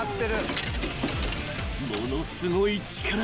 ［ものすごい力］